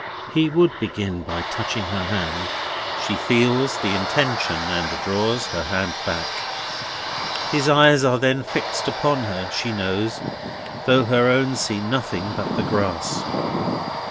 He would begin by touching her hand. She feels the intention, and draws her hand back. His eyes are then fixed upon her, she knows, though her own see nothing but the grass.